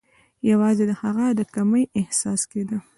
یوازي د هغه د کمۍ احساس کېده.